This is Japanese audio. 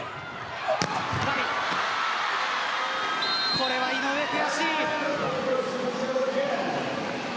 これは井上、悔しい。